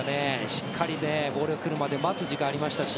しっかりボールが来るまで待つ時間がありましたし。